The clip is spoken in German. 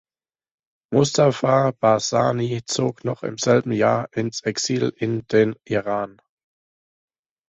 Mustafa Barzani zog noch im selben Jahr ins Exil in den Iran.